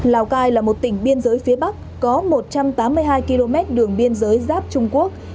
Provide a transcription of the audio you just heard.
lào cai là một tỉnh biên giới phía bắc có một trăm tám mươi hai km đường biên giới giáp trung quốc